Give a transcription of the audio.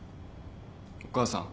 お母さん。